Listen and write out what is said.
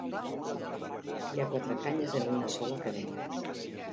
Hi ha quatre canyes en una sola cadena.